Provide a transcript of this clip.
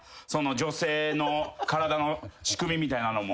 女性の体の仕組みみたいなのも。